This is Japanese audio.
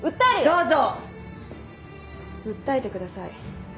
どうぞ訴えてください。